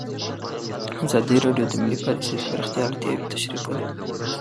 ازادي راډیو د مالي پالیسي د پراختیا اړتیاوې تشریح کړي.